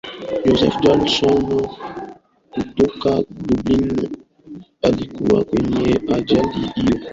joseph dawson kutoka dublin alikufa kwenye ajali hiyo